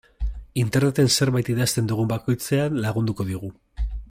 Interneten zerbait idazten dugun bakoitzean lagunduko digu.